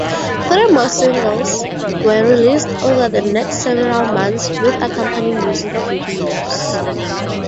Three more singles were released over the next several months with accompanying music videos.